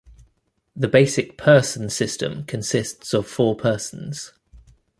The basic person system consists of four persons.